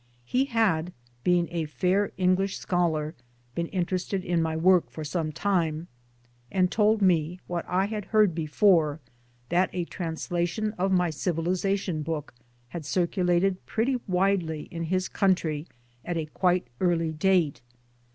He had, being a fair English scholar, been interested in my work for some time, ; and told me (what I had heard before) that a translation of my Civilization book had circu lated pretty widely in his country at a quite early TRANSLATIONS AND TRANSLATORS 277, date.